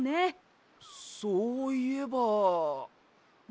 そういえば。